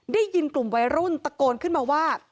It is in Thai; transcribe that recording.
ได้ยินกลุ่มวัยรุ่นตะโกนขึ้นมาว่า